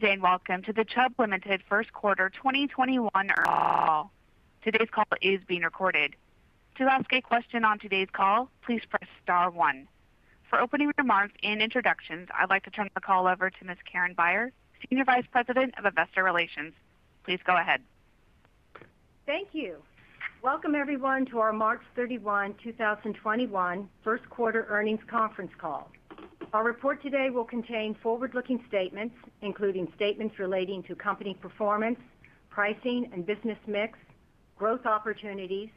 Good day, and welcome to the Chubb Limited first quarter 2021 earnings call. Today's call is being recorded. For opening remarks and introductions, I'd like to turn the call over to Ms. Karen Beyer, Senior Vice President of Investor Relations. Please go ahead. Thank you. Welcome, everyone, to our March 31, 2021 first quarter earnings conference call. Our report today will contain forward-looking statements, including statements relating to company performance, pricing, and business mix, growth opportunities,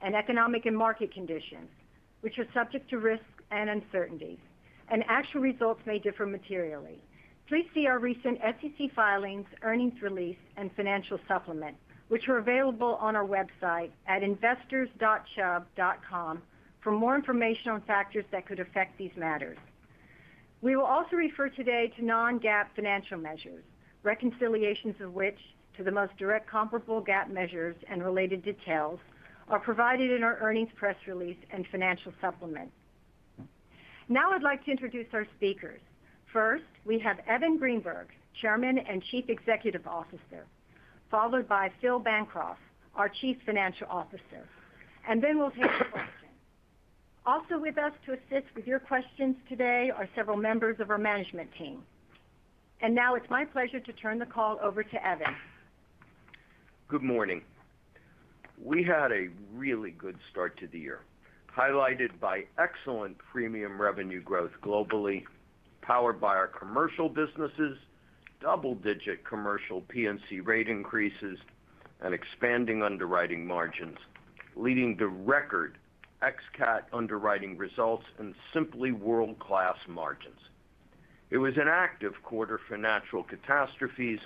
and economic and market conditions, which are subject to risks and uncertainties. Actual results may differ materially. Please see our recent SEC filings, earnings release, and financial supplement, which are available on our website at investors.chubb.com for more information on factors that could affect these matters. We will also refer today to non-GAAP financial measures, reconciliations of which to the most direct comparable GAAP measures and related details are provided in our earnings press release and financial supplement. Now I'd like to introduce our speakers. First, we have Evan Greenberg, Chairman and Chief Executive Officer, followed by Phil Bancroft, our Chief Financial Officer, and then we'll take questions. Also with us to assist with your questions today are several members of our management team. Now it's my pleasure to turn the call over to Evan. Good morning. We had a really good start to the year, highlighted by excellent premium revenue growth globally, powered by our commercial businesses, double-digit commercial P&C rate increases, and expanding underwriting margins, leading to record ex-CAT underwriting results and simply world-class margins. It was an active quarter for natural catastrophes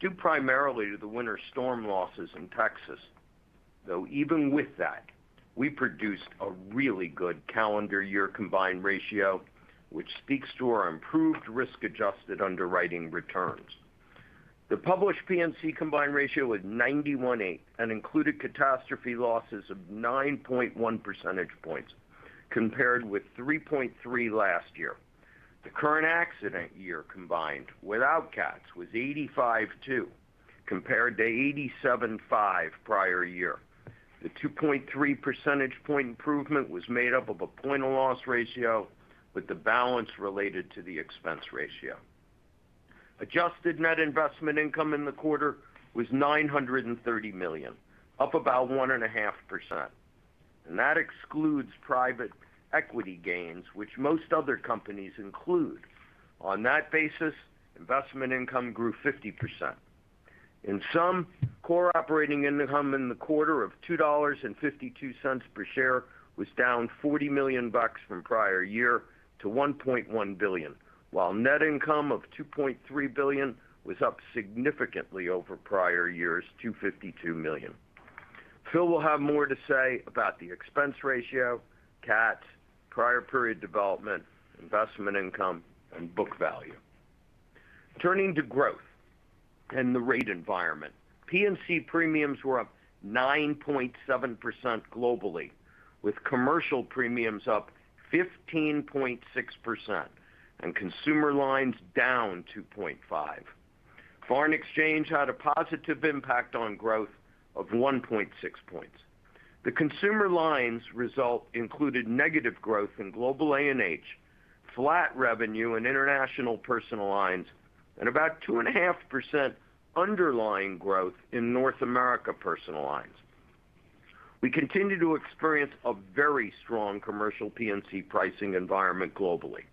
due primarily to the winter storm losses in Texas, though even with that, we produced a really Good Calendar Year Combined Ratio, which speaks to our improved risk-adjusted underwriting returns. The Published P&C Combined Ratio was 91.8 and included catastrophe losses of 9.1 percentage points, compared with 3.3 last year. The Current Accident Year Combined without CATs was 85.2, compared to 87.5 in the prior year. The 2.3 percentage point improvement was made up of a point of Loss Ratio, with the balance related to the Expense Ratio. Adjusted Net Investment Income in the quarter was $930 million, up about 1.5%. That excludes Private Equity gains, which most other companies include. On that basis, investment income grew 50%. In sum, Core Operating Income in the quarter of $2.52 per share was down $40 million from the prior year to $1.1 billion, while Net Income of $2.3 billion was up significantly over the prior year's $252 million. Phil Bancroft will have more to say about the Expense Ratio, CAT, Prior Period Development, Investment Income, and Book Value. Turning to growth and the rate environment. P&C premiums were up 9.7% globally, with commercial premiums up 15.6% and Consumer Lines down 2.5%. Foreign exchange had a positive impact on growth of 1.6 points. The Consumer Lines result included negative growth in Global A&H, flat revenue in international personal lines, and about 2.5% underlying growth in North America personal lines. We continue to experience a very strong Commercial P&C Pricing Environment globally,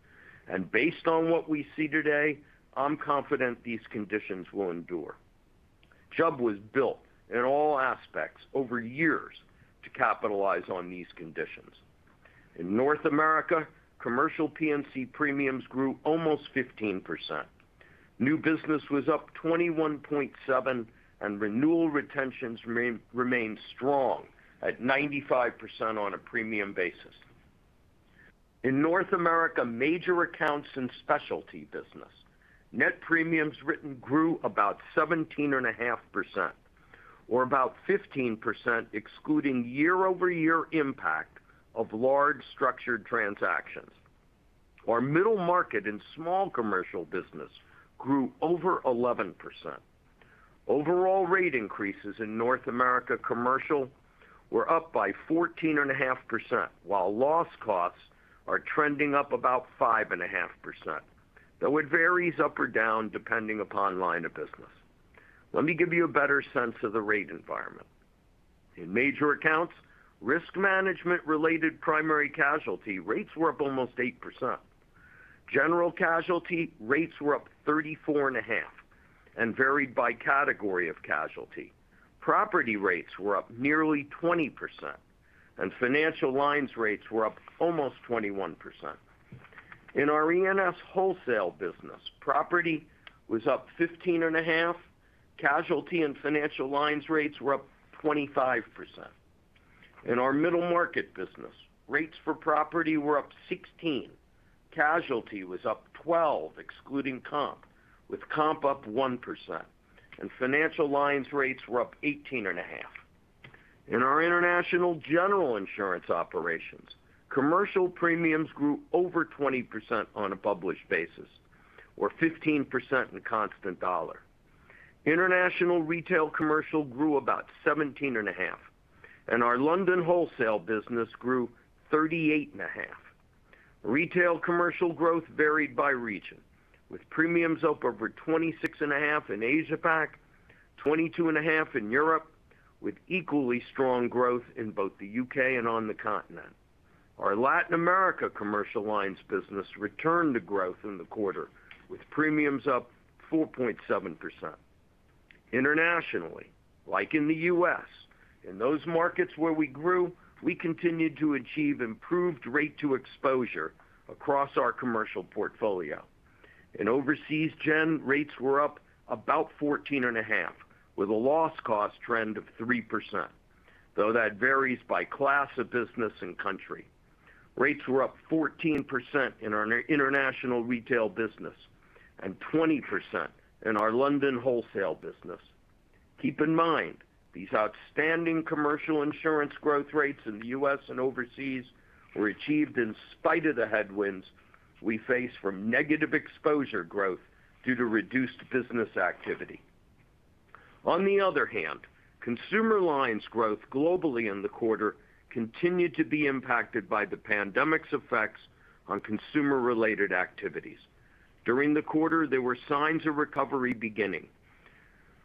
and based on what we see today, I'm confident these conditions will endure. Chubb was built in all aspects over years to capitalize on these conditions. In North America, Commercial P&C premiums grew almost 15%. New Business was up 21.7%, and Renewal Retentions remained strong at 95% on a premium basis. In North America's Major Accounts and Specialty Business, Net Premiums Written grew about 17.5%, or about 15%, excluding year-over-year impact of large structured transactions. Our Middle Market and small commercial businesses grew over 11%. Overall rate increases in North America commercial were up by 14.5%, while Loss Costs are trending up about 5.5%, though it varies up or down depending upon line of business. Let me give you a better sense of the rate environment. In Major Accounts, Risk Management-Related Primary Casualty rates were up almost 8%. General Casualty rates were up 34.5% and varied by category of casualty. Property rates were up 20%, and Financial Lines rates were up 21%. In our E&S Wholesale business, property was up 15.5%, and casualty and financial lines rates were up 25%. In our Middle Market business, rates for property were up 16%; casualty was up 12% excluding comp, with comp up 1%; and financial lines rates were up 18.5%. In our International General Insurance operations, commercial premiums grew 20% on a published basis or 15% in Constant Dollar. International Retail Commercial grew 17.5%, and our London Wholesale business grew 38.5%. Retail commercial growth varied by region, with premiums up 26.5% in Asia Pacific, 22.5% in Europe, with equally strong growth in both the U.K. and on the continent. Our Latin America Commercial Lines business returned to growth in the quarter, with premiums up 4.7%. Internationally, like in the U.S., in those markets where we grew, we continued to achieve an improved rate-to-exposure across our commercial portfolio. In Overseas General, rates were up about 14.5% with a Loss Cost trend of 3%, though that varies by class of business and country. Rates were up 14% in our International Retail business and 20% in our London Wholesale business. Keep in mind, these outstanding commercial insurance growth rates in the U.S. and overseas were achieved in spite of the headwinds we face from negative exposure growth due to reduced business activity. On the other hand, Consumer Lines' growth globally in the quarter continued to be impacted by the pandemic's effects on consumer-related activities. During the quarter, there were signs of recovery beginning.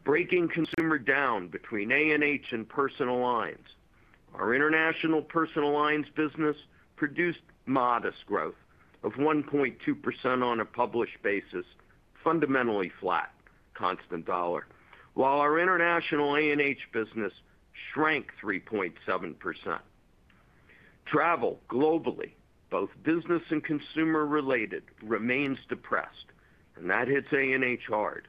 Breaking consumers down between A&H and Personal Lines, our International Personal Lines business produced modest growth of 1.2% on a published basis, fundamentally flat Constant Dollar. Our International A&H business shrank 3.7%. Travel globally, both business and consumer-related, remains depressed, and that hits A&H hard.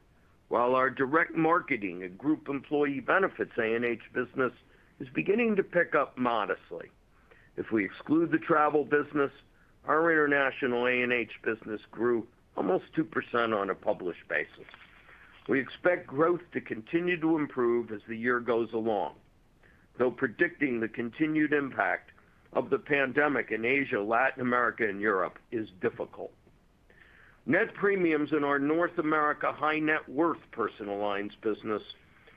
Our Direct Marketing and Group Employee Benefits A&H business is beginning to pick up modestly. If we exclude the Travel business, our International A&H business grew almost 2% on a published basis. We expect growth to continue to improve as the year goes along, though predicting the continued impact of the pandemic in Asia, Latin America, and Europe is difficult. Net Premiums Written in our North America High Net Worth Personal Lines business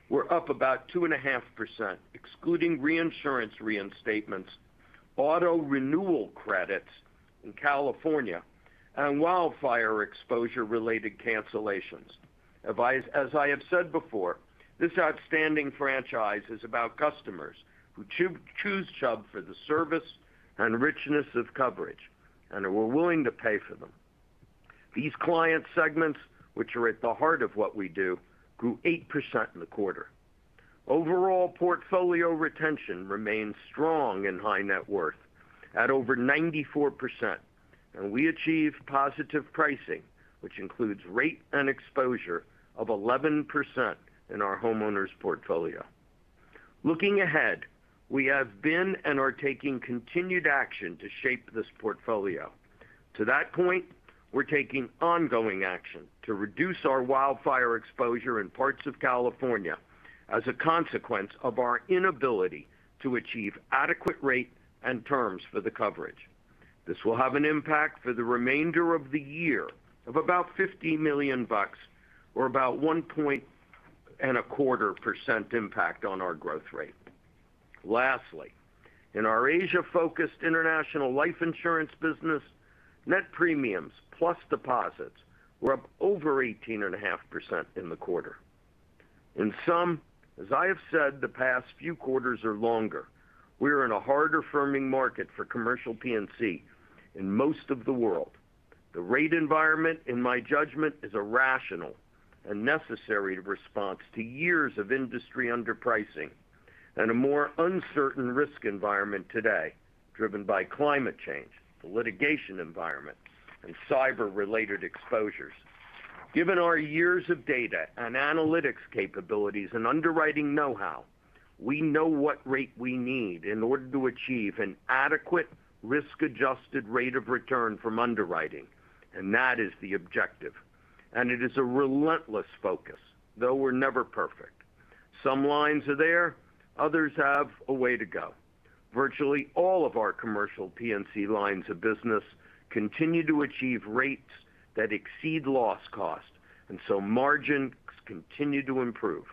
was up about 2.5%, excluding reinsurance reinstatements, auto renewal credits in California, and wildfire exposure-related cancellations. As I have said before, this outstanding franchise is about customers who choose Chubb for the service and richness of coverage and who are willing to pay for them. These client segments, which are at the heart of what we do, grew 8% in the quarter. Overall portfolio retention remains strong in high net worth at over 94%, and we achieved positive pricing, which includes rate and exposure of 11% in our homeowners portfolio. Looking ahead, we have been and are taking continued action to shape this portfolio. To that point, we're taking ongoing action to reduce our wildfire exposure in parts of California as a consequence of our inability to achieve adequate rates and terms for the coverage. This will have an impact for the remainder of the year of about $50 million, or about a 1.25% impact on our growth rate. Lastly, in our Asia-focused international life insurance business, Net Premiums Written plus deposits were up over 18.5% in the quarter. In sum, as I have said the past few quarters or longer, we are in a harder, firming market for commercial P&C in most of the world. The rate environment, in my judgment, is a rational and necessary response to years of industry underpricing and a more uncertain risk environment today, driven by climate change, the litigation environment, and cyber-related exposures. Given our years of data and analytics capabilities and underwriting know-how, we know what rate we need in order to achieve an adequate risk-adjusted rate of return from underwriting, and that is the objective. It is a relentless focus, though we're never perfect. Some lines are there; others have a way to go. Virtually all of our commercial P&C lines of business continue to achieve rates that exceed Loss Cost, margins continue to improve.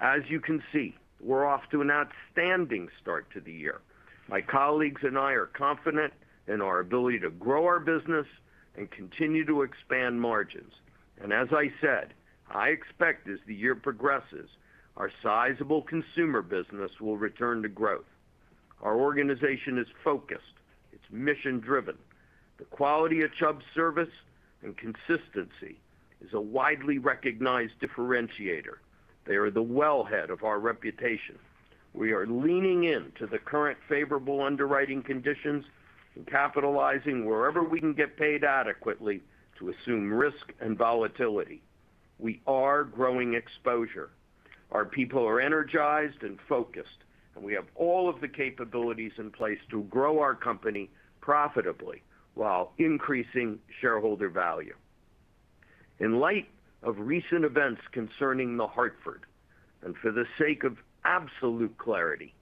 As you can see, we're off to an outstanding start to the year. My colleagues and I are confident in our ability to grow our business and continue to expand margins. As I said, I expect as the year progresses, our sizable consumer business will return to growth. Our organization is focused. It's mission-driven. The quality of Chubb service and consistency is a widely recognized differentiator. They are the wellhead of our reputation. We are leaning into the current favorable underwriting conditions and capitalizing wherever we can get paid adequately to assume risk and volatility. We are growing exposure. Our people are energized and focused, and we have all of the capabilities in place to grow our company profitably while increasing shareholder value. In light of recent events concerning The Hartford, and for the sake of absolute clarity,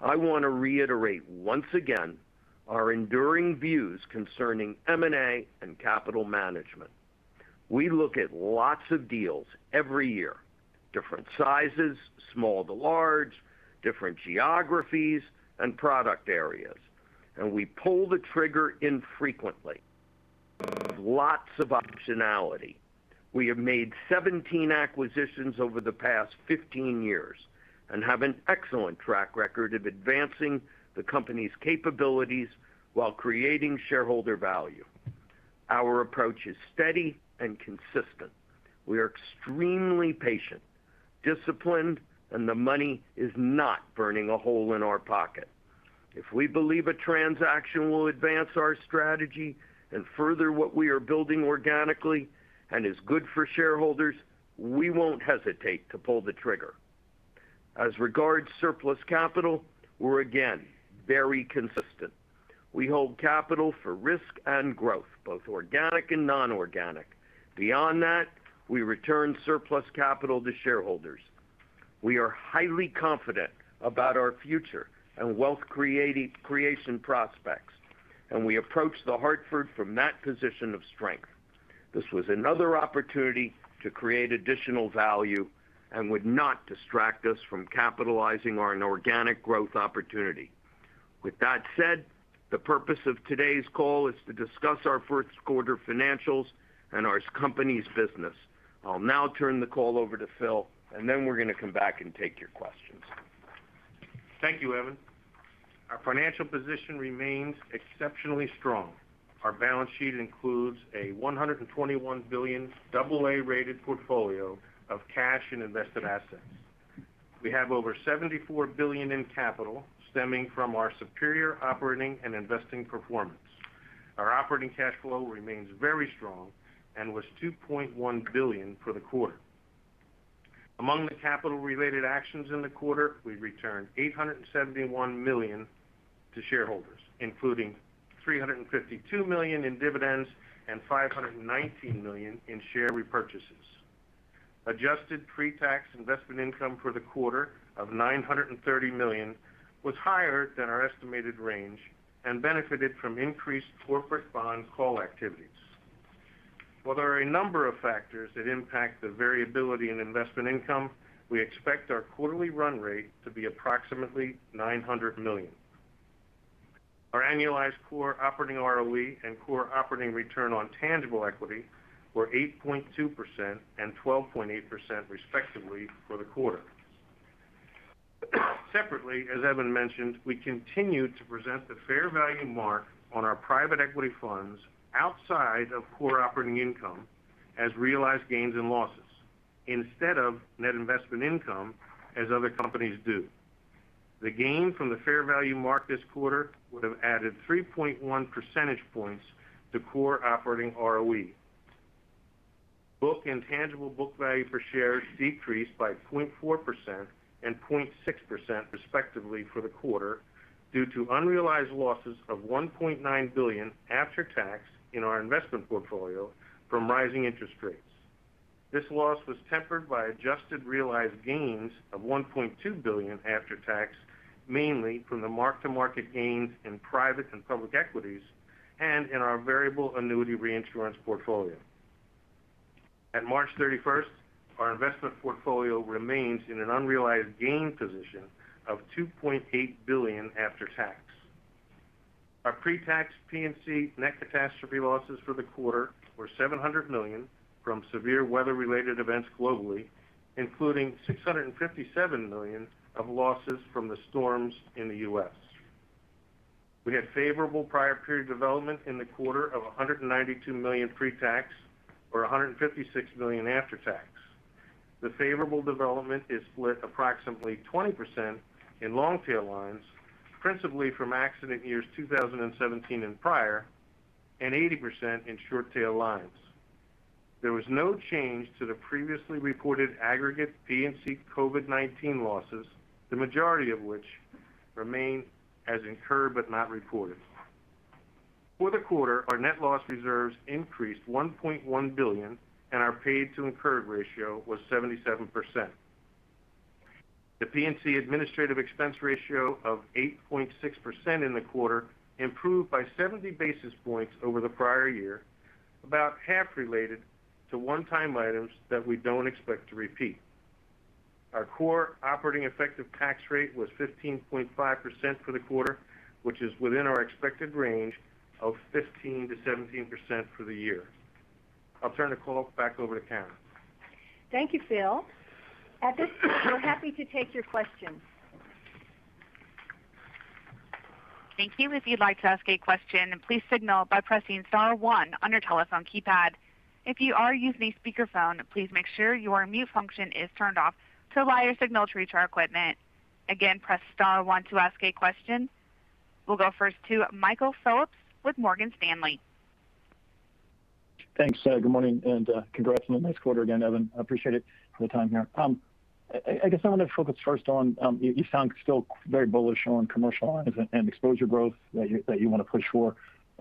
I want to reiterate once again our enduring views concerning M&A and capital management. We look at lots of deals every year, different sizes, small to large, different geographies, and product areas. We pull the trigger infrequently with lots of optionality. We have made 17 acquisitions over the past 15 years and have an excellent track record of advancing the company's capabilities while creating shareholder value. Our approach is steady and consistent. We are extremely patient and disciplined, and the money is not burning a hole in our pocket. If we believe a transaction will advance our strategy and further what we are building organically and is good for shareholders, we won't hesitate to pull the trigger. As regards surplus capital, we're again very consistent. We hold capital for risk and growth, both organic and non-organic. Beyond that, we return surplus capital to shareholders. We are highly confident about our future and wealth creation prospects, and we approach The Hartford from that position of strength. This was another opportunity to create additional value and would not distract us from capitalizing on organic growth opportunities. With that said, the purpose of today's call is to discuss our first quarter financials and our company's business. I'll now turn the call over to Phil, and then we're going to come back and take your questions. Thank you, Evan. Our financial position remains exceptionally strong. Our balance sheet includes a $121 billion double-A-rated portfolio of cash and invested assets. We have over $74 billion in capital stemming from our superior operating and investing performance. Our Operating Cash Flow remains very strong and was $2.1 billion for the quarter. Among the capital-related actions in the quarter, we returned $871 million to shareholders, including $352 million in dividends and $519 million in share repurchases. Adjusted pre-tax investment income for the quarter of $930 million was higher than our estimated range and benefited from increased Corporate Bond Call Activities. While there are a number of factors that impact the variability in investment income, we expect our quarterly run rate to be approximately $900 million. Our Annualized Core Operating ROE and Core Operating Return on Tangible Equity were 8.2% and 12.8%, respectively, for the quarter. Separately, as Evan mentioned, we continue to present the fair value mark on our private equity funds outside of core operating income as realized gains and losses instead of net investment income as other companies do. The gain from the fair value mark this quarter would have added 3.1 percentage points to core operating ROE. Book and tangible book value per share decreased by 0.4% and 0.6%, respectively, for the quarter due to unrealized losses of $1.9 billion after tax in our investment portfolio from rising interest rates. This loss was tempered by adjusted realized gains of $1.2 billion after tax, mainly from the mark-to-market gains in private and public equities and in our variable annuity reinsurance portfolio. At March 31st, our investment portfolio remains in an unrealized gain position of $2.8 billion after tax. Our pre-tax P&C net catastrophe losses for the quarter were $700 million from severe weather-related events globally, including $657 million of losses from the storms in the U.S. We had favorable prior-period development in the quarter of $192 million pre-tax or $156 million after tax. The favorable development is split approximately 20% in long-tail lines, principally from accident years 2017 and prior, and 80% in short-tail lines. There was no change to the previously reported aggregate P&C COVID-19 losses, the majority of which remain as incurred but not reported. For the quarter, our net loss reserves increased by $1.1 billion, and our paid-to-incurred ratio was 77%. The P&C administrative expense ratio of 8.6% in the quarter improved by 70 basis points over the prior year, about half related to one-time items that we don't expect to repeat. Our core operating effective tax rate was 15.5% for the quarter, which is within our expected range of 15%-17% for the year. I'll turn the call back over to Karen. Thank you, Phil. At this point, we're happy to take your questions. Thank you if you would like to ask a question. Please signal by pressing star one on your telephone keypad. If you are using speakerphone, please make sure your mute function is turned off to allow your signal to reach our equipment. We'll go first to Michael Phillips with Morgan Stanley. Thanks. Good morning, and congrats on a nice quarter again, Evan. I appreciate all the time here. I guess I want to focus first on—you sound still very bullish on Commercial Lines and exposure growth that you want to push for.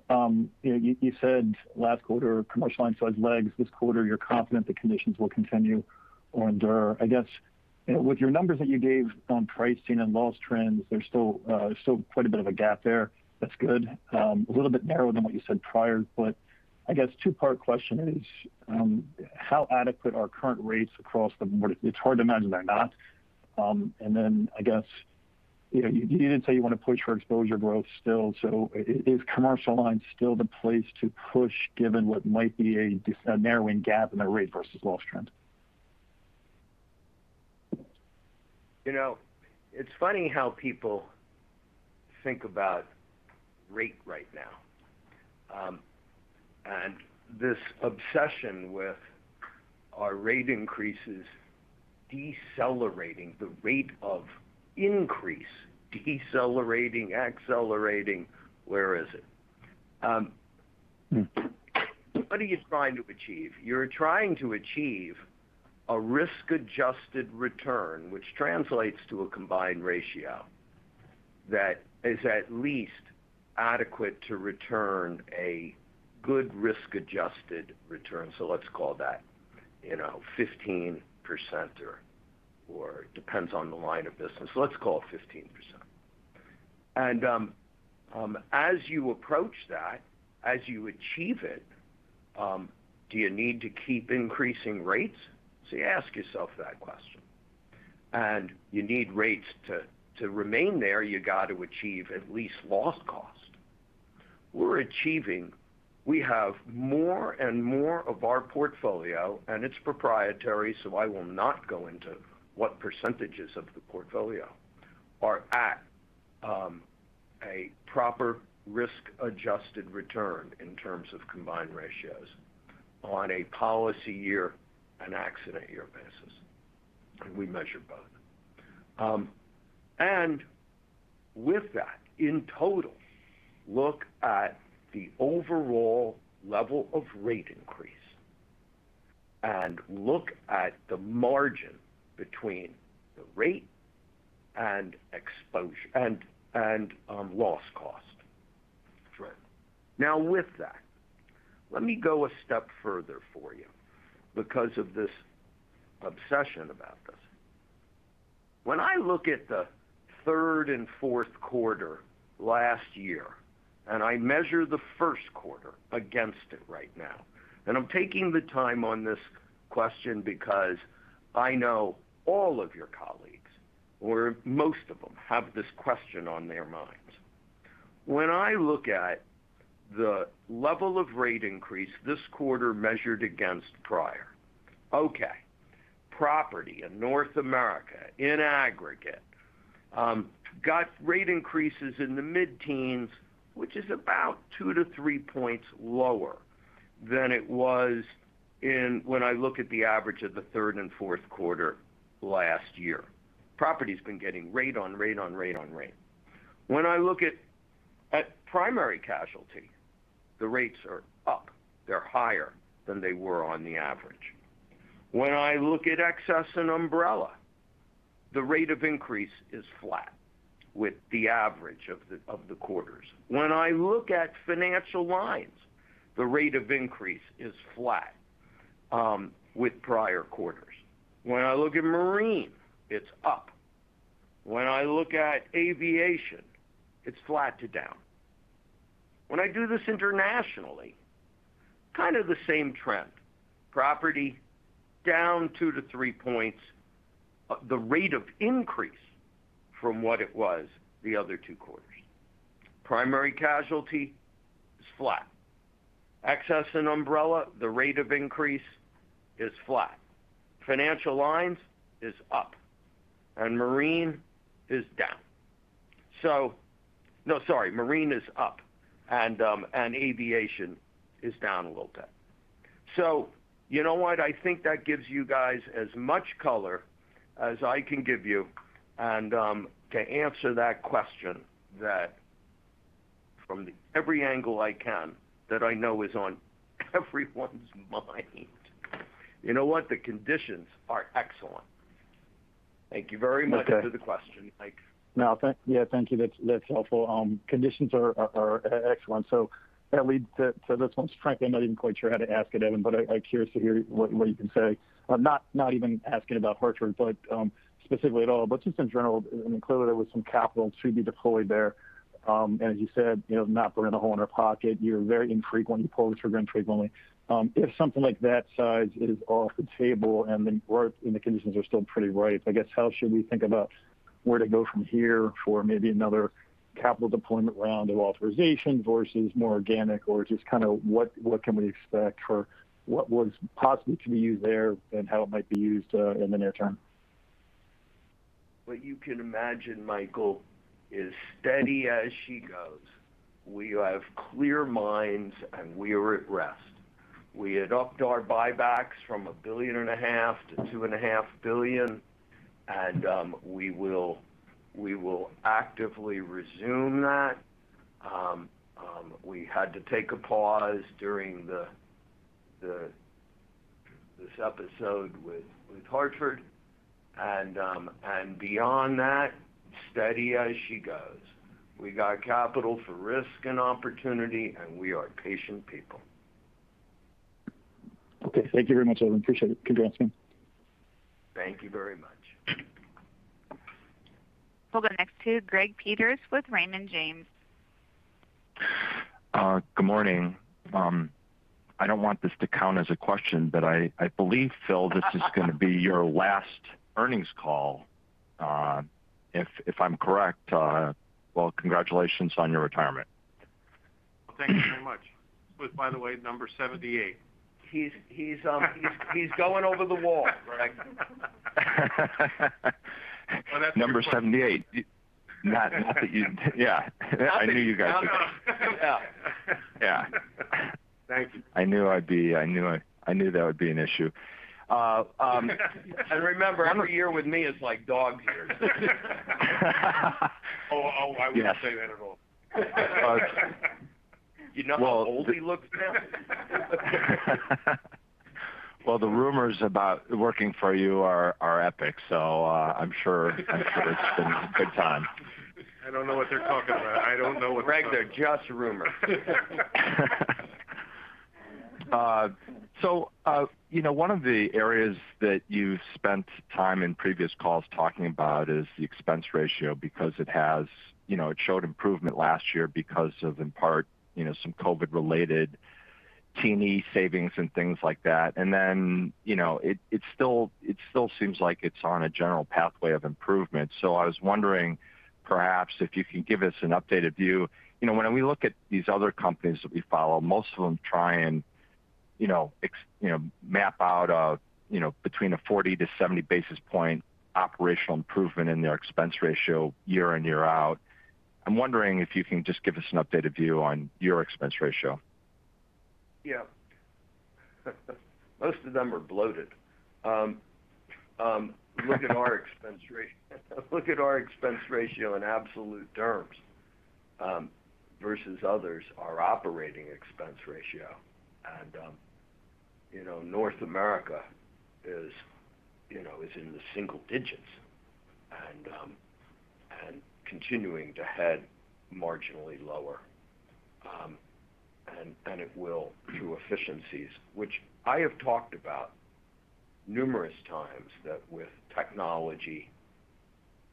You said last quarter, Commercial Lines lagged this quarter; you're confident the conditions will continue or endure. I guess, with your numbers that you gave on pricing and loss trends, there's still quite a bit of a gap there. That's good. A little bit narrower than what you said prior, I guess the two-part question is, how adequate are current rates across the board? It's hard to imagine they're not. I guess you did say you want to push for exposure growth still. Is Commercial Lines still the place to push given what might be a narrowing gap in the Rate versus Loss Trends? It's funny how people think about rate right now. This obsession with our rate increases decelerating, the rate of increase decelerating, accelerating—where is it? What are you trying to achieve? You're trying to achieve Risk-Adjusted Return, which translates to a Combined Ratio that is at least adequate to return a Risk-Adjusted Return. let's call that 15%, or it depends on the line of business; let's call it 15%. As you approach that, as you achieve it, do you need to keep increasing rates? You ask yourself that question. You need rates to remain there; you have to achieve at least Loss Cost. We're achieving it. We have more and more of our portfolio, and it's proprietary, so I will not go into what percentages of the portfolio are at a Risk-Adjusted Return in terms of Combined Ratios on a policy year and accident year basis. We measure both. With that, in total, look at the overall level of rate increase and look at the margin between the rate and Loss Cost trend. Now with that, let me go a step further for you because of this obsession about this. When I look at the third and fourth quarters last year, and I measure the first quarter against them right now, and I'm taking the time on this question because I know all of your colleagues, or most of them, have this question on their minds. When I look at the level of rate increase this quarter measured against the prior one. Okay. Property in North America in aggregate got rate increases in the mid-teens, which is about two to three points lower than it was when I looked at the average of the third and fourth quarters last year. Property's been getting rate on rate on rate on rate. When I look at primary casualties, the rates are up. They're higher than they were on the average. When I look at excess and umbrella, the rate of increase is flat with the average of the quarters. When I look at financial lines, the rate of increase is flat with prior quarters. When I look at marine, it's up. When I look at aviation, it's flat to downhill. When I do this internationally, it's kind of the same trend. Property is down two to three points from what it was the other two quarters. Primary casualty is flat. Excess and umbrella, the rate of increase is flat. Financial lines are up, and marine is down. No, sorry, marine is up, and aviation is down a little bit. You know what? I think that gives you guys as much color as I can give you. To answer that question from every angle I can that I know is on everyone's mind. You know what? The conditions are excellent. Thank you very much for the question, Mike. No, thank you. That's helpful. Conditions are excellent. That leads to this one, frankly. I'm not even quite sure how to ask it, Evan, but I'm curious to hear what you can say. Not even asking about The Hartford specifically at all, but just in general, and clearly there was some capital to be deployed there. As you said, not putting a hole in our pocket. You're very infrequent. You pull the trigger infrequently. If something like that size is off the table and the conditions are still pretty ripe, I guess how should we think about where to go from here for maybe another capital deployment round of authorizations versus more organic, or just what can we expect, or what was possible to be used there, and how might it be used in the near term? What you can imagine, Michael, is steady as she goes. We have clear minds. We are at rest. We upped our buybacks from $1.5 billion-$2.5 billion. We will actively resume that. We had to take a pause during this episode with The Hartford. Beyond that, steady as she goes. We got capital for risk and opportunity. We are patient people. Okay. Thank you very much, Evan. Appreciate it. Congrats again. Thank you very much. We'll go next to Greg Peters with Raymond James. Good morning. I don't want this to count as a question, but I believe, Phil, this is going to be your last earnings call, if I'm correct. Well, congratulations on your retirement. Thank you so much. This was, by the way, number 78. He's going over the wall, Greg. Number 78. Not that you... yeah. I knew you guys Yeah. Thank you. I knew that would be an issue. Remember, every year with me is like dog years. Oh, I wouldn't say that at all. Okay. You know how old he looks now? Well, the rumors about working for you are epic, so I'm sure it's been a good time. I don't know what they're talking about. Greg, they're just rumors. One of the areas that you've spent time in previous calls talking about is the expense ratio, because it showed improvement last year because of, in part, some COVID related T&E savings and things like that. Then, it still seems like it's on a general pathway of improvement. I was wondering perhaps if you can give us an updated view. When we look at these other companies that we follow, most of them try and map out between a 40-70 basis point operational improvement in their expense ratio year in, year out. I'm wondering if you can just give us an updated view on your expense ratio. Most of them are bloated. Look at our expense ratio in absolute terms versus others, our operating expense ratio. North America is in the single digits and continuing to head marginally lower. It will be through efficiencies, which I have talked about numerous times, with technology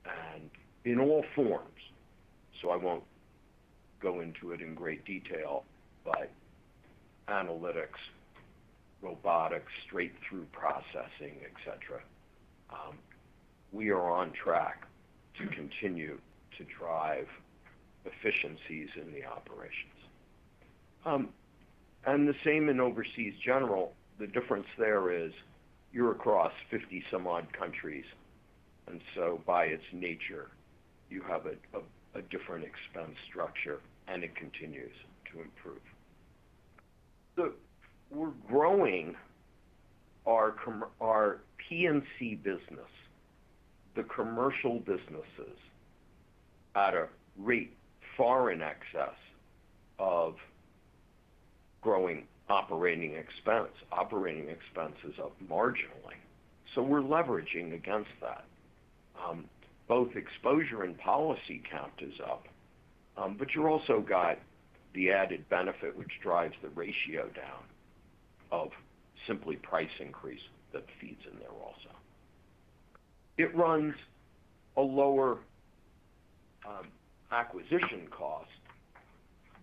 and in all forms, so I won't go into it in great detail, but analytics, robotics, straight-through processing, et cetera—we are on track to continue to drive efficiencies in the operations. The same in Overseas General. The difference there is you're across 50 some odd countries, so by its nature, you have a different expense structure; it continues to improve. Look, we're growing our P&C business, the commercial business, at a rate far in excess of growing operating expense. Operating expense is up marginally. We're leveraging against that. Both exposure and policy count is up. You also got the added benefit, which drives the ratio down of simply a price increase that feeds in there also. It runs a lower acquisition cost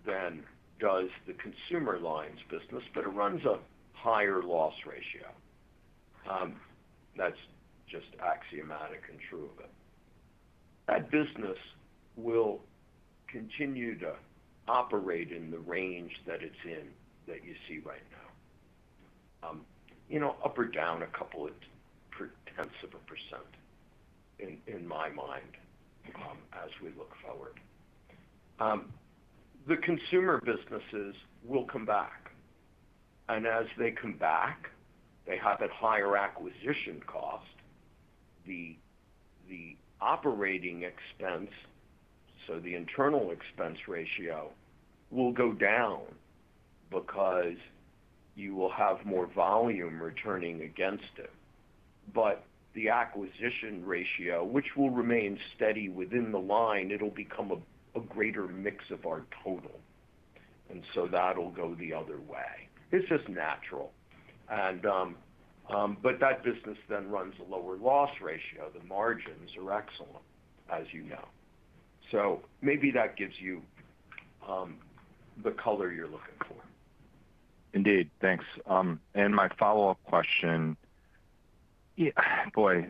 than does the Consumer Lines business, but it runs a higher loss ratio. That's just axiomatic and true of it. That business will continue to operate in the range that it's in, which you see right now. Up or down a couple of tenths of a percent, in my mind, as we look forward. The consumer businesses will come back, and as they come back, they have that higher acquisition cost. The operating expense, so the internal expense ratio will go down because you will have more volume returning against it. The acquisition ratio, which will remain steady within the line, will become a greater mix of our total, and so that'll go the other way. It's just natural. That business then runs a lower loss ratio. The margins are excellent, as you know. Maybe that gives you the color you're looking for. Indeed. Thanks. My follow-up question, boy,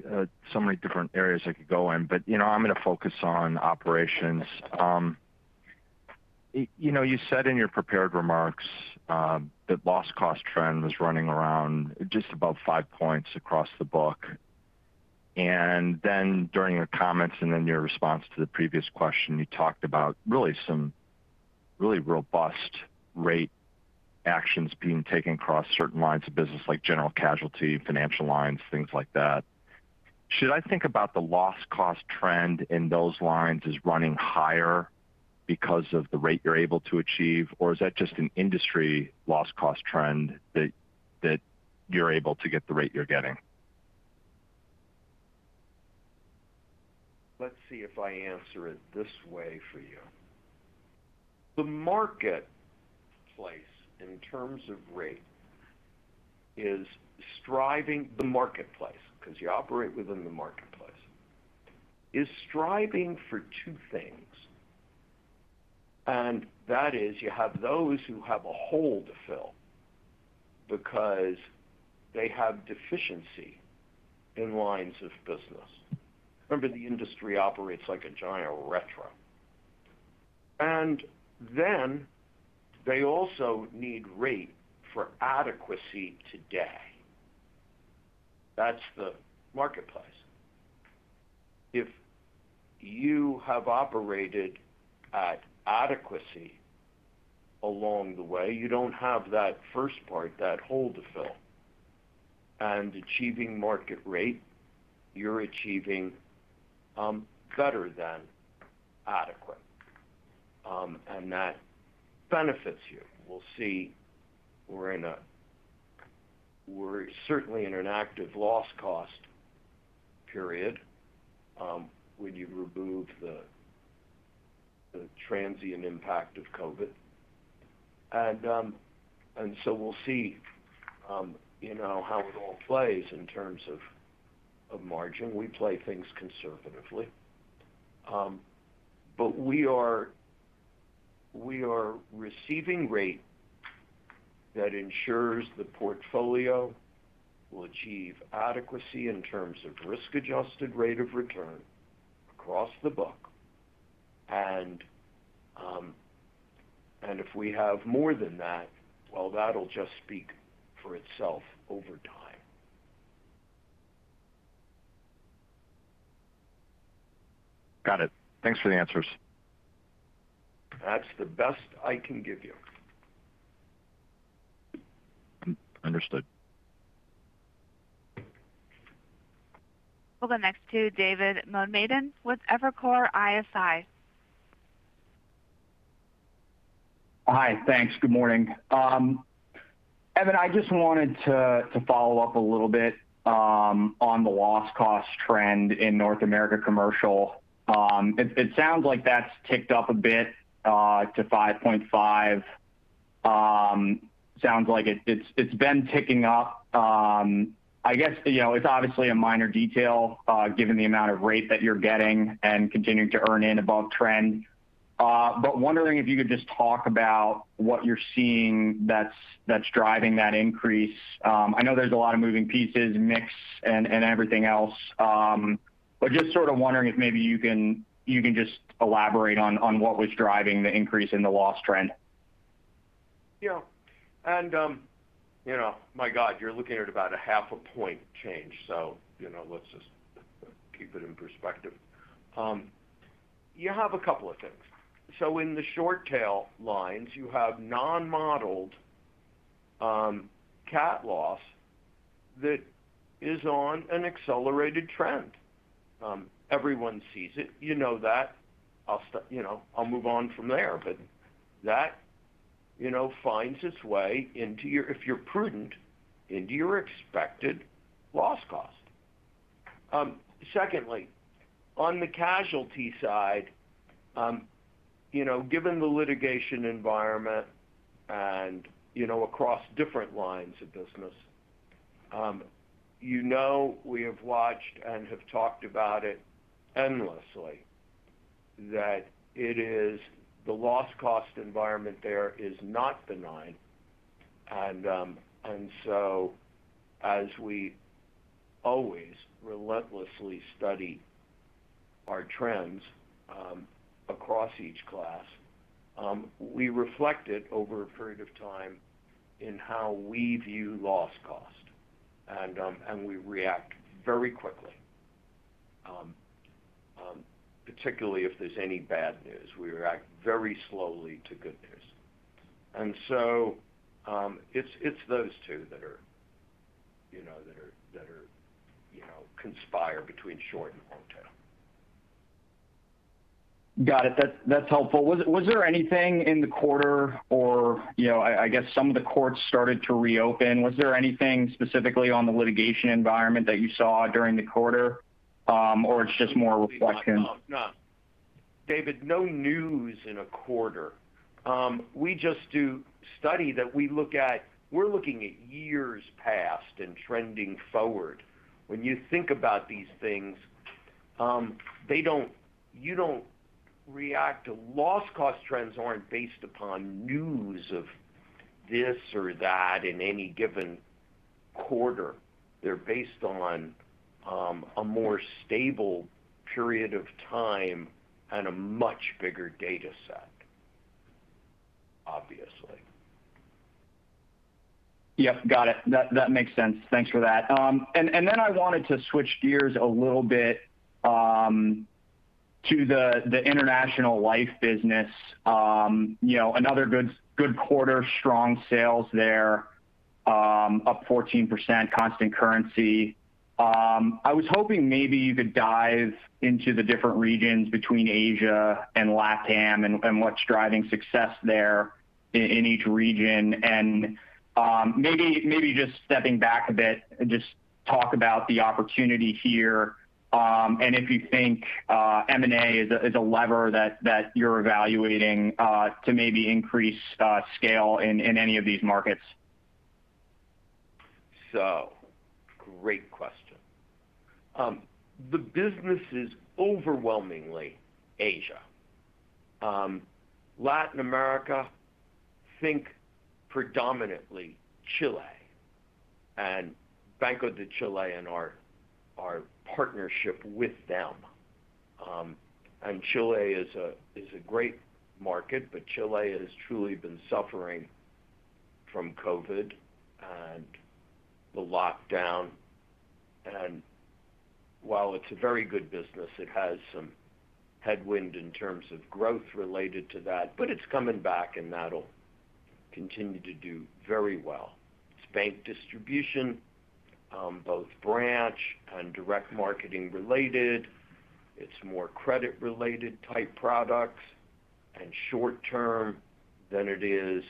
so many different areas I could go in, but I'm going to focus on operations. You said in your prepared remarks that Loss Cost trend was running around just above five points across the book, and then during your comments and in your response to the previous question, you talked about really some really robust rate actions being taken across certain lines of business like general casualty, financial lines, things like that. Should I think about the Loss Cost trend in those lines as running higher because of the rate you're able to achieve? Or is that just an industry Loss Cost trend that you're able to get the rate you're getting? Let's see if I answer it this way for you. The marketplace, in terms of rate, is striving, the marketplace, because you operate within the marketplace, is striving for two things. That is you have those who have a hole to fill because they have a deficiency in lines of business. Remember, the industry operates like a giant retro. Then they also need a rate for adequacy today. That's the marketplace. If you have operated at adequacy along the way, you don't have that first part, that hole to fill. Achieving market rate, you're achieving better than adequate. That benefits you. We'll see we're certainly in an active Loss Cost period, when you remove the transient impact of COVID. We'll see how it all plays in terms of margin. We play things conservatively. We are receiving a rate that ensures the portfolio will achieve adequacy in terms of risk-adjusted rate of return across the book. If we have more than that, well, that'll just speak for itself over time. Got it. Thanks for the answers. That's the best I can give you. Understood. We'll go next to David Motemaden with Evercore ISI. Hi. Thanks. Good morning. Evan, I just wanted to follow up a little bit on the Loss Cost trend in North America Commercial. It sounds like that's ticked up a bit to 5.5%. Sounds like it's been ticking up. I guess it's obviously a minor detail given the amount of rate that you're getting and continuing to earn above trend. Wondering if you could just talk about what you're seeing that's driving that increase. I know there are a lot of moving pieces, mix, and everything else. Just sort of wondering if maybe you can just elaborate on what was driving the increase in the loss trend. Yeah. My God, you're looking at about a half a point change, let's just keep it in perspective. You have a couple of things. In the short tail lines, you have non-modeled CAT loss that is on an accelerated trend. Everyone sees it. You know that. I'll move on from there. That finds its way into your, if you're prudent, into your expected Loss Cost. Secondly, on the casualty side, given the litigation environment and across different lines of business, you know we have watched and have talked about it endlessly: the Loss Cost environment is not benign. As we always relentlessly study our trends across each class, we reflect it over a period of time in how we view Loss Cost. We react very quickly, particularly if there's any bad news. We react very slowly to good news. It's those two that are conspired between short and long term. Got it. That's helpful. Was there anything in the quarter, or I guess some of the courts started to reopen, specifically in the litigation environment that you saw during the quarter? Or it's just more reflection? No. David, no news in a quarter. We just do the study that we look at; we're looking at years past and trending forward. When you think about these things, you don't react. Loss Cost trends aren't based upon news of this or that in any given quarter. They're based on a more stable period of time and a much bigger data set, obviously. Yep. Got it. That makes sense. Thanks for that. I wanted to switch gears to the International Life Business, another good quarter, with strong sales there, up 14% in constant currency. I was hoping maybe you could dive into the different regions between Asia and LATAM and what's driving success in each region. Maybe just stepping back a bit, just talk about the opportunity here, and if you think M&A is a lever that you're evaluating to maybe increase scale in any of these markets. Great question. The business is overwhelmingly Asia. Latin America, think predominantly Chile and Banco de Chile and our partnership with them. Chile is a great market, but Chile has truly been suffering from COVID and the lockdown. While it's a very good business, it has some headwind in terms of growth related to that, but it's coming back, and that'll continue to do very well. It's bank distribution, both branch- and direct-marketing related. It's more credit related type products and short term than it is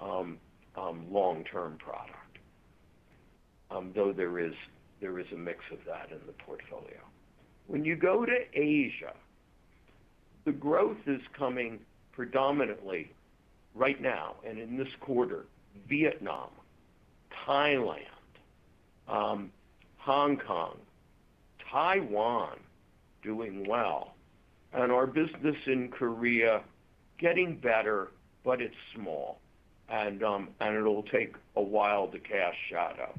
long term product. Though there is a mix of that in the portfolio. When you go to Asia, the growth is coming predominantly right now and in this quarter, Vietnam, Thailand, Hong Kong, Taiwan doing well, and our business in Korea getting better, but it's small. It'll take a while to cast a shadow.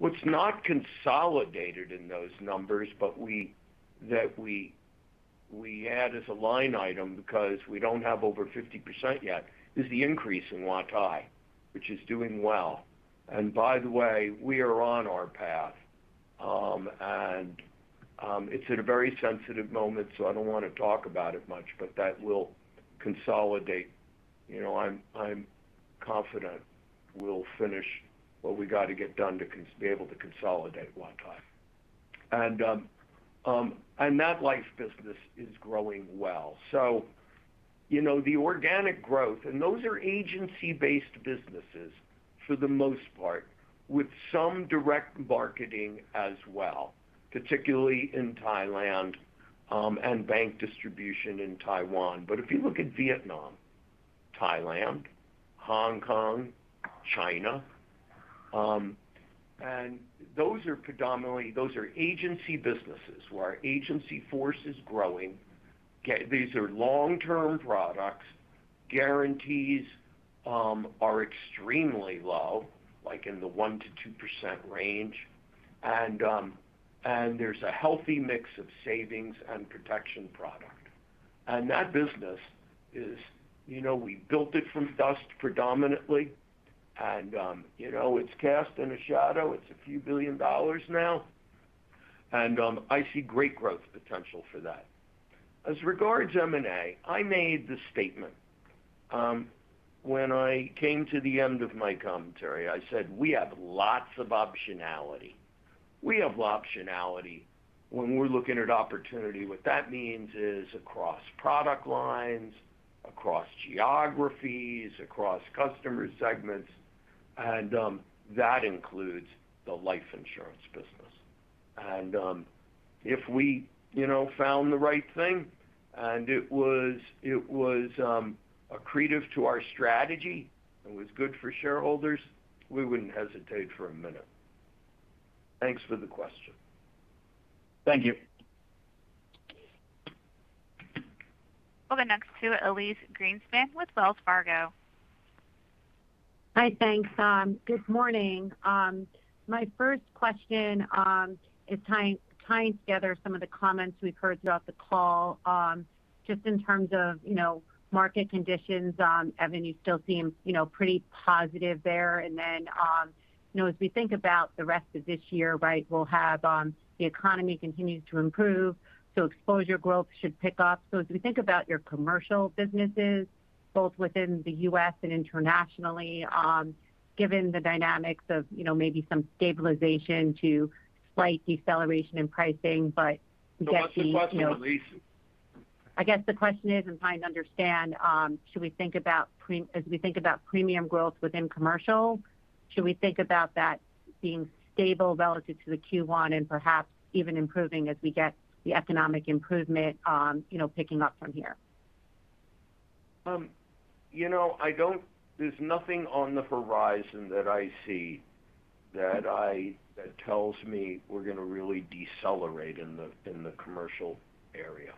What's not consolidated in those numbers but that we add as a line item because we don't have over 50% yet is the increase in Huatai, which is doing well. By the way, we are on our path. It's at a very sensitive moment, so I don't want to talk about it much, but that will consolidate. I'm confident we'll finish what we've got to get done to be able to consolidate Huatai. That life business is growing well. The organic growth, and those are agency-based businesses for the most part, with some direct marketing as well, particularly in Thailand, and bank distribution in Taiwan. If you look at Vietnam, Thailand, Hong Kong, and China, those are predominantly agency businesses where our agency force is growing. These are long-term products. Guarantees are extremely low, like in the 1%-2% range. There's a healthy mix of savings and protection products. That business is, we built it from dust predominantly. It's cast in a shadow. It's a few billion dollars now. I see great growth potential for that. As regards M&A, I made the statement when I came to the end of my commentary; I said we have lots of optionality. We have optionality when we're looking at opportunity. What that means is across product lines, across geographies, and across customer segments, and that includes the life insurance business. If we found the right thing and it was accretive to our strategy and was good for shareholders, we wouldn't hesitate for a minute. Thanks for the question. Thank you. We'll go next to Elyse Greenspan with Wells Fargo. Hi, thanks. Good morning. My first question is tying together some of the comments we've heard throughout the call, just in terms of market conditions. Evan, you still seem pretty positive there. As we think about the rest of this year, we'll have the economy continue to improve. Exposure growth should pick up. As we think about your commercial businesses, both within the U.S. and internationally, given the dynamics of maybe some stabilization to slight deceleration in pricing. What's the question, Elyse? I guess the question is, I'm trying to understand, as we think about premium growth within commercial, should we think about that being stable relative to the Q1 and perhaps even improving as we get the economic improvement picking up from here? There's nothing on the horizon that I see that tells me we're going to really decelerate in the commercial area.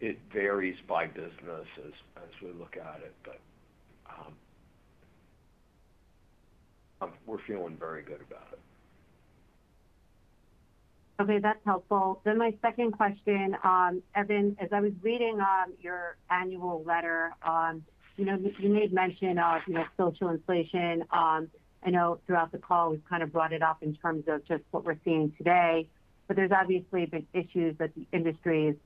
It varies by business as we look at it, but we're feeling very good about it. Okay, that's helpful. My second question, Evan, as I was reading your annual letter, you made mention of social inflation. I know throughout the call we've kind of brought it up in terms of just what we're seeing today. There's obviously been issues that the industry is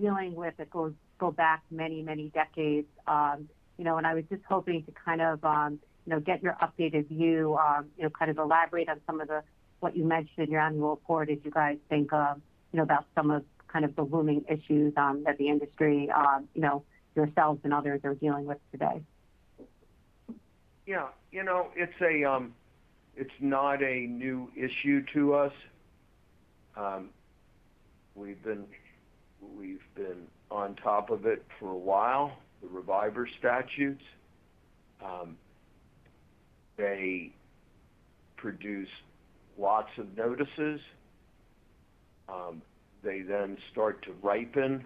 dealing with that go back many, many decades. I was just hoping to get your updated view, kind of elaborate on some of what you mentioned in your annual report as you guys think about some of the looming issues that the industry, yourselves, and others are dealing with today. Yeah. It's not a new issue to us. We've been on top of it for a while, the reviver statutes. They produce lots of notices. They then start to ripen,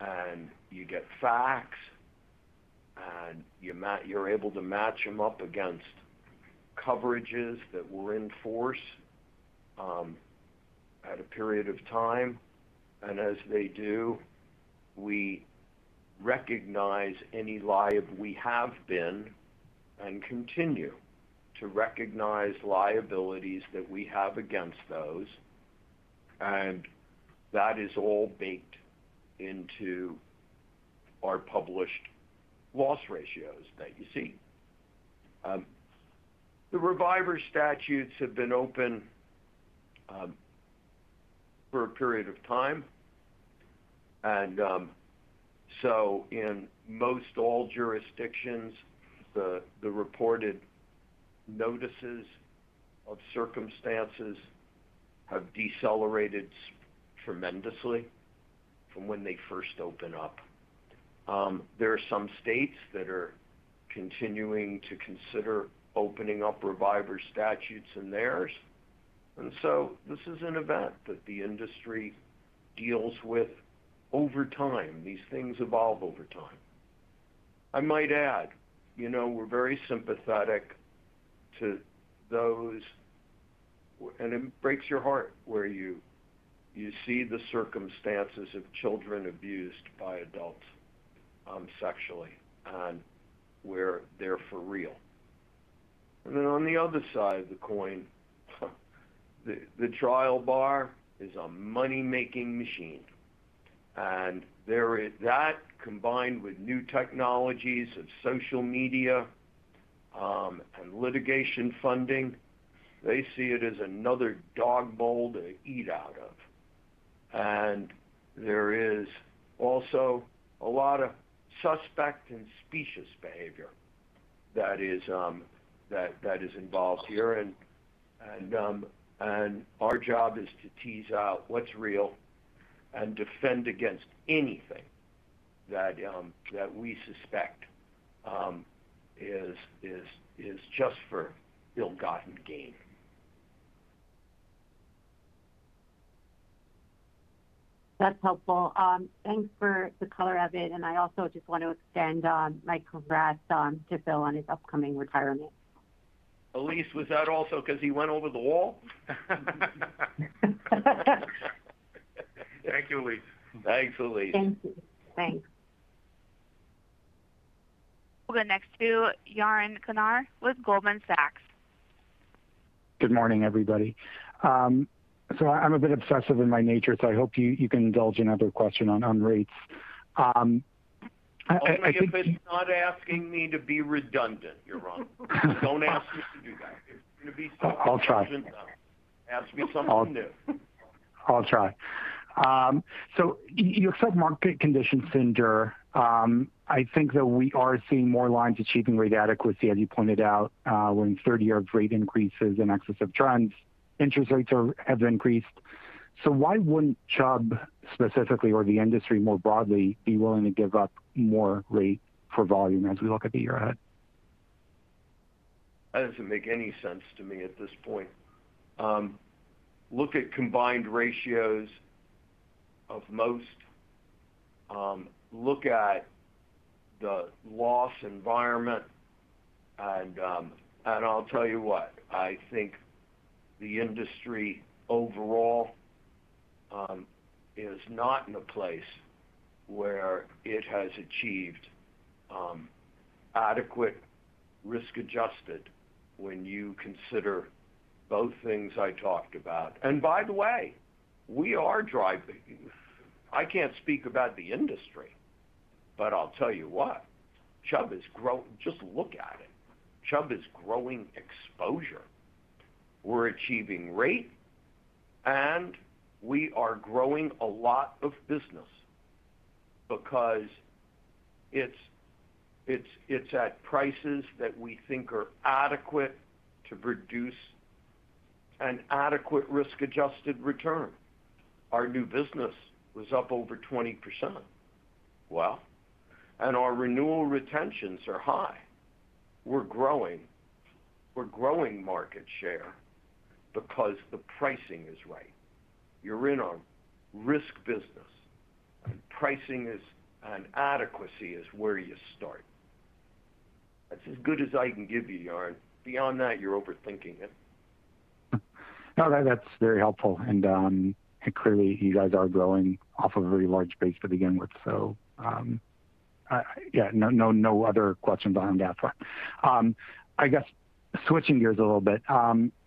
and you get facts, and you're able to match them up against coverages that were in force during a period of time. As they do, we recognize any liability we have been and continue to recognize liabilities that we have against those. That is all baked into our published loss ratios that you see. The reviver statutes have been open for a period of time. In most all jurisdictions, the reported notices of circumstances have decelerated tremendously from when they first opened up. There are some states that are continuing to consider opening up reviver statutes in theirs. This is an event that the industry deals with over time. These things evolve over time. I might add, we're very sympathetic to those. It breaks your heart where you see the circumstances of children abused by adults sexually, and where they're for real. On the other side of the coin, the trial bar is a money-making machine. That, combined with new technologies of social media and litigation funding, they see it as another dog bowl to eat out of. There is also a lot of suspect and specious behavior that is involved here. Our job is to tease out what's real and defend against anything that we suspect is just for ill-gotten gain. That's helpful. Thanks for the color, Evan, and I also just want to extend my congrats to Phil on his upcoming retirement. Elyse, was that also because he went over the wall? Thank you, Elyse. Thanks, Elyse. Thank you. Thanks. We'll go next to Yaron Kinar with Goldman Sachs. Good morning, everybody. I'm a bit obsessive in my nature, so I hope you can indulge another question on rates. Only if it's not asking me to be redundant, Yaron. Don't ask me to do that. I'll try Ask me something new. I'll try. You've said market conditions endure. I think that we are seeing more lines achieving rate adequacy, as you pointed out, when third-year rates increase in excess of trends and interest rates have increased. Why wouldn't Chubb specifically or the industry more broadly be willing to give up more rate for volume as we look at the year ahead? That doesn't make any sense to me at this point. Look at Combined Ratios of most; look at the loss environment, and I'll tell you what, I think the industry overall is not in a place where it has achieved adequate risk adjustment when you consider both things I talked about. By the way, we are driving. I can't speak about the industry, but I'll tell you what, Chubb is growing. Just look at it. Chubb is growing exposure. We're achieving rate, and we are growing a lot of business because it's at prices that we think are adequate to produce an Risk-Adjusted Return. our new business was up over 20%. Our renewal retentions are high. We're growing. We're growing market share because the pricing is right. You're in a risky business, and pricing and adequacy are where you start. That's as good as I can give you, Yaron. Beyond that, you're overthinking it. No, that's very helpful. Clearly you guys are growing off a very large base to begin with. Yeah, no other questions behind that one. I guess switching gears a little bit.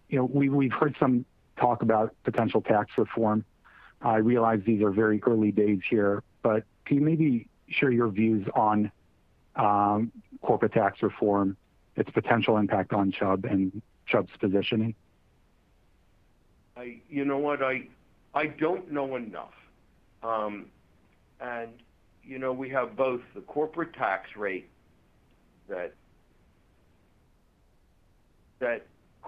We've heard some talk about potential tax reform. I realize these are very early days here, can you maybe share your views on corporate tax reform, its potential impact on Chubb, and Chubb's positioning? You know what? I don't know enough. We have both the corporate and tax rates that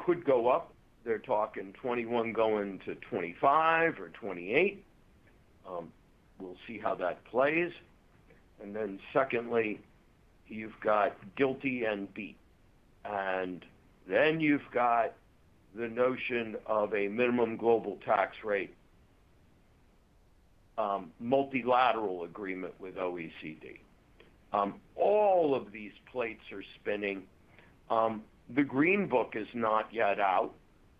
could go up. They're talking 21 going to 25 or 28. We'll see how that plays. Secondly, you've got GILTI and BEAT. You've got the notion of a minimum global tax rate, a multilateral agreement with the OECD. All of these plates are spinning. The Green Book is not yet out.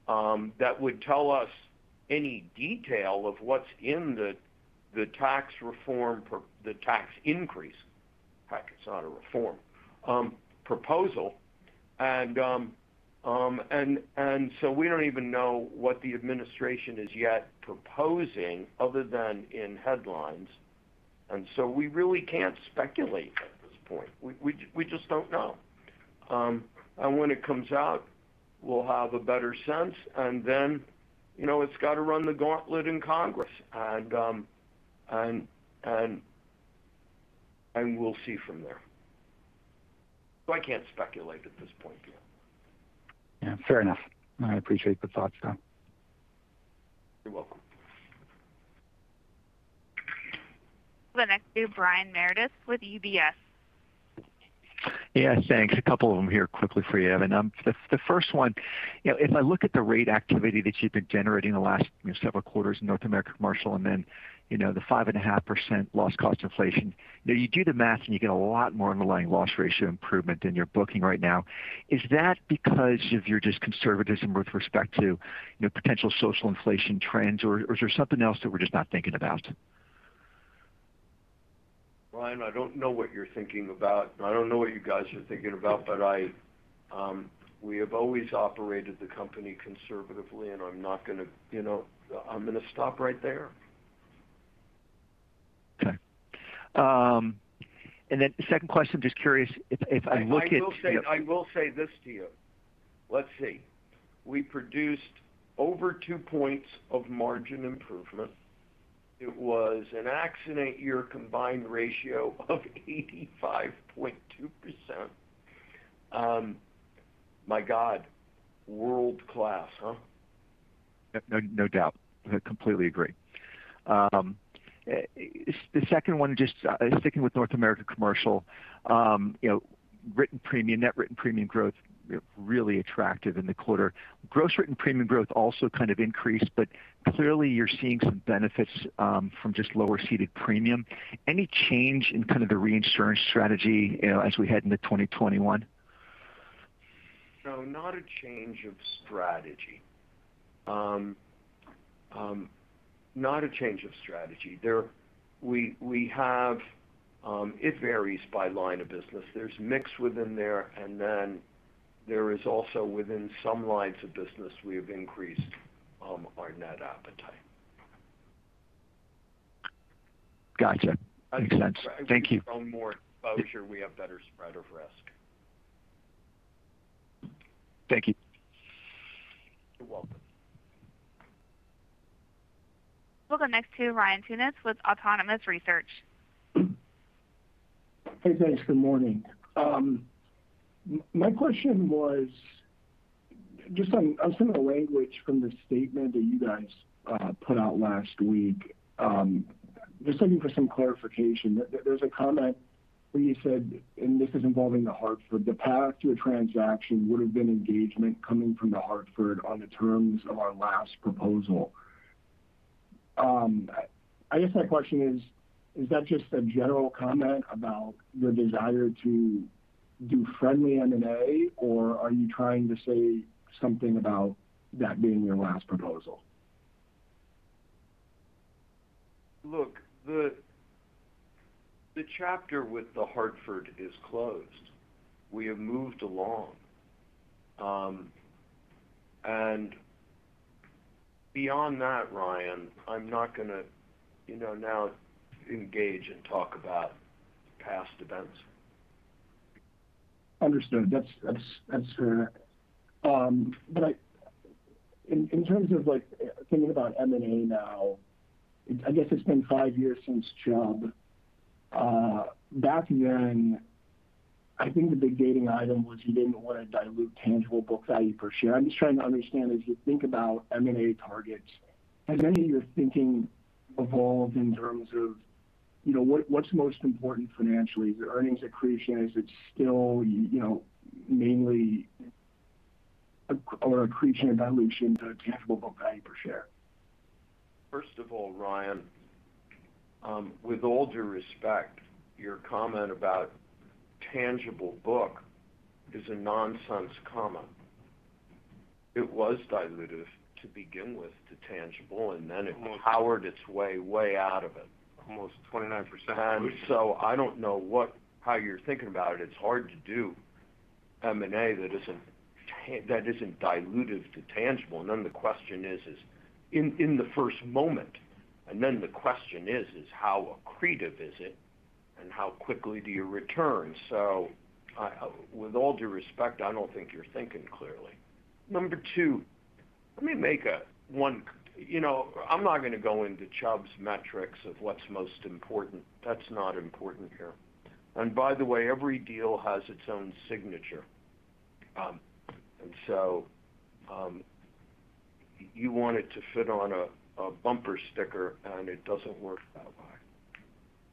That would tell us any detail of what's in the tax increase; in fact, it's not a reform proposal. We don't even know what the administration is yet proposing other than in headlines. We really can't speculate at this point. We just don't know. When it comes out, we'll have a better sense, and then it's got to run the gauntlet in Congress. We'll see from there. I can't speculate at this point, Yaron. Yeah. Fair enough. I appreciate the thoughts, Evan. You're welcome. We'll go next to Brian Meredith with UBS. Yeah, thanks. A couple of them here quickly for you, Evan. The first one, if I look at the rate activity that you've been generating the last several quarters in North America Commercial, and then the 5.5% Loss Cost inflation. You do the math and you get a lot more underlying loss ratio improvement than you're booking right now. Is that because of your just conservatism with respect to potential social inflation trends, or is there something else that we're just not thinking about? Brian, I don't know what you're thinking about. I don't know what you guys are thinking about. We have always operated the company conservatively, and I'm going to stop right there. Okay. The second question. I will say this to you. Let's see. We produced over two points of margin improvement. It was an accident year Combined Ratio of 85.2%. My God, world-class, huh? Yep. No doubt. I completely agree. The second one is just sticking with North America Commercial. Written premium, net written premium growth, was really attractive in the quarter. Gross written premium growth also kind of increased; clearly, you're seeing some benefits from just lower ceded premium. Any change in kind of the reinsurance strategy as we head into 2021? Not a change of strategy. Not a change of strategy. It varies by line of business. There's a mix within there, and then there is also within some lines of business we have increased our net appetite. Gotcha. Makes sense. Thank you. Our more exposure, we have better spread of risk. Thank you. You're welcome. We'll go next to Ryan Tunis with Autonomous Research. Hey, thanks. Good morning. My question was just on some of the language from the statement that you guys put out last week. Just looking for some clarification. There's a comment where you said, and this is involving The Hartford, the path to a transaction would've been engagement coming from The Hartford on the terms of our last proposal. I guess my question is that just a general comment about your desire to do friendly M&A, or are you trying to say something about that being your last proposal? Look, the chapter with The Hartford is closed. We have moved along. Beyond that, Ryan, I'm not going to now engage and talk about past events. Understood. That's fair. In terms of thinking about M&A now, I guess it's been five years since Chubb. Back then, I think the big gating item was that you didn't want to dilute tangible book value per share. I'm just trying to understand, as you think about M&A targets, has any of your thinking evolved in terms of what's most important financially? Is it earnings accretion? Is it still mainly an accretion of value into tangible book value per share? First of all, Ryan, with all due respect, your comment about tangible books is a nonsense comment. It was dilutive to begin with to tangible, and then it powered its way out of it. Almost 29% dilution. I don't know how you're thinking about it. It's hard to do M&A that isn't dilutive to tangible assets. The question is, in the first moment, and then the question is how accretive is it and how quickly do you return? With all due respect, I don't think you're thinking clearly. Number two, I'm not going to go into Chubb's metrics of what's most important. That's not important here. By the way, every deal has its own signature. You want it to fit on a bumper sticker, and it doesn't work that way.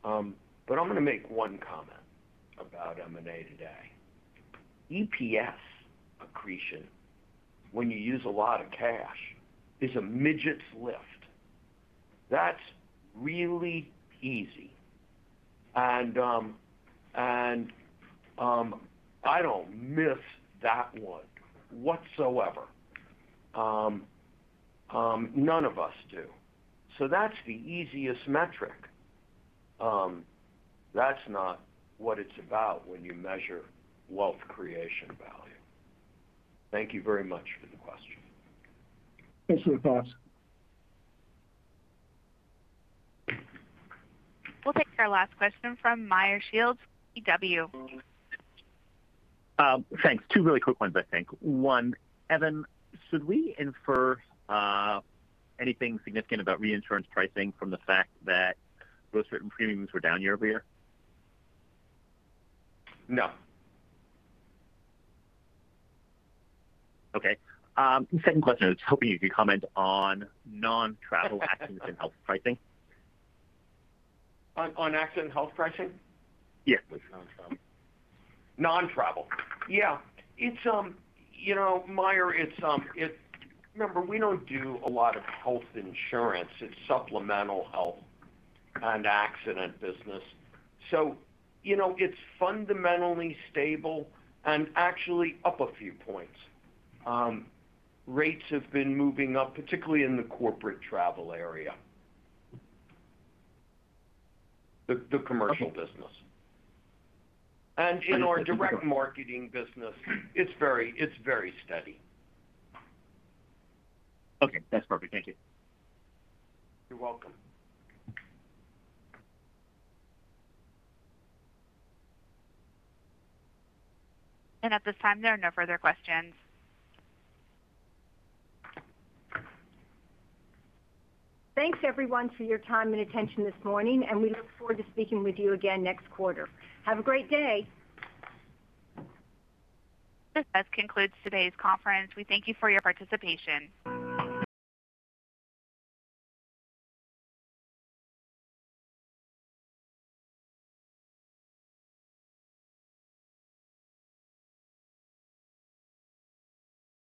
I'm going to make one comment about M&A today. EPS accretion, when you use a lot of cash, is a midget's lift. That's really easy. I don't miss that one whatsoever. None of us do. That's the easiest metric. That's not what it's about when you measure wealth creation value. Thank you very much for the question. Thanks for the thoughts. We'll take our last question from Meyer Shields, KBW. Thanks. Two really quick ones, I think. One, Evan, should we infer anything significant about reinsurance pricing from the fact that gross written premiums were down year-over-year? No. Okay. Second question: I was hoping you could comment on non-travel accident and health pricing. Accidental health pricing? Yeah. Which is non-travel. Non-travel. Yeah. Meyer, remember, we don't do a lot of health insurance. It's supplemental health and accident business. It's fundamentally stable and actually up a few points. Rates have been moving up, particularly in the corporate travel area. The commercial business. In our direct marketing business, it's very steady. Okay. That's perfect. Thank you. You're welcome. At this time, there are no further questions. Thanks everyone for your time and attention this morning. We look forward to speaking with you again next quarter. Have a great day. This just concludes today's conference. We thank you for your participation.